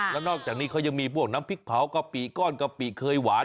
แล้วนอกจากนี้เขายังมีพวกน้ำพริกเผากะปิก้อนกะปิเคยหวาน